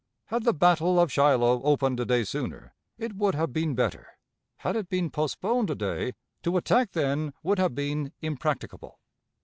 Had the battle of Shiloh opened a day sooner, it would have been better; had it been postponed a day, to attack then would have been impracticable.